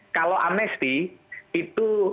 kalau amnesti itu